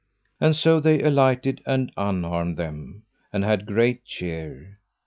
And so they alighted and unarmed them, and had great cheer.